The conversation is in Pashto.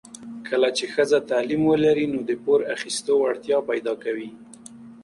کله چې ښځه تعلیم ولري، نو د پور اخیستو وړتیا پیدا کوي.